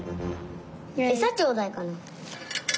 「えさちょうだい」かな？